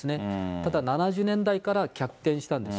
ただ、７０年代から逆転したんです。